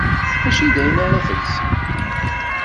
Mačči d ayen ara telseḍ.